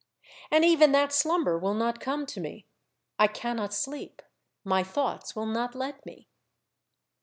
And even that slumber will not come to me. I cannot sleep ; my thoughts will not let me.